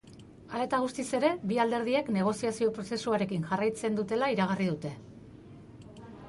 Hala eta guztiz ere, bi alderdiek negoziazio prozesuarekin jarraitzen dutela iragarri dute.